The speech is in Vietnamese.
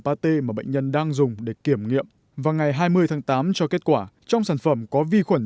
pate mà bệnh nhân đang dùng để kiểm nghiệm và ngày hai mươi tháng tám cho kết quả trong sản phẩm có vi khuẩn